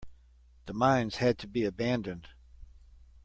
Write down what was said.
The mines had to be abandoned.